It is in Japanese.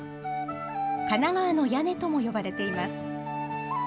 神奈川の屋根とも呼ばれています。